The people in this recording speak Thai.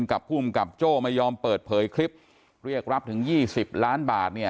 กับโจ้ไม่ยอมเปิดเผยคลิปเรียกรับถึง๒๐ล้านบาท